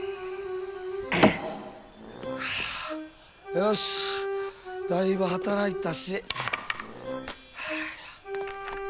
よしだいぶ働いたし。